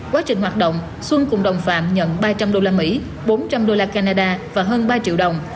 quá trình hoạt động xuân cùng đồng phạm nhận ba trăm linh đô la mỹ bốn trăm linh đô la canada và hơn ba triệu đồng